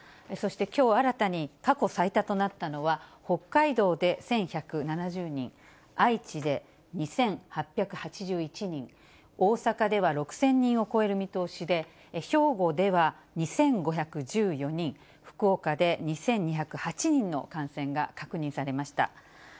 そしてきょう新たに過去最多となったのは、北海道で１１７０人、愛知で２８８１人、大阪では６０００人を超える見通しで、兵庫では２５１４人、福岡で２２０８人の感染が確認されました。